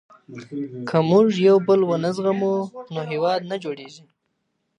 که موږ يو بل ونه زغمو نو هېواد نه جوړېږي.